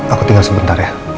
aku tinggal sebentar ya